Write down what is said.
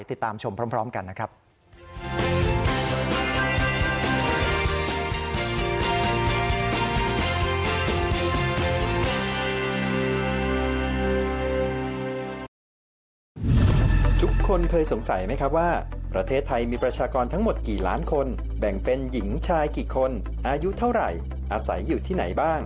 ติดตามชมพร้อมกันนะครับ